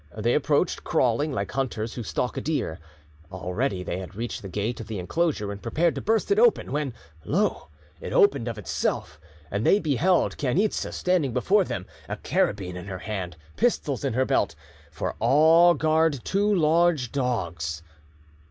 They approached crawling, like hunters who stalk a deer, already they had reached the gate of the enclosure, and prepared to burst it open, when lo! it opened of itself, and they beheld Chainitza standing before them, a carabine in her hand, pistols in her belt, and, for all guard, two large dogs.